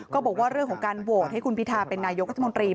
ก็บอกว่าเรื่องของการโหวตให้คุณพิทาเป็นนายกรัฐมนตรี